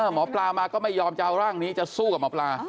หมอปลามาก็ไม่ยอมจะเอาร่างนี้จะสู้กับหมอปลา